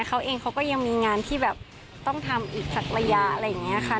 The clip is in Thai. เขาเองเขาก็ยังมีงานที่แบบต้องทำอีกสักระยะอะไรอย่างนี้ค่ะ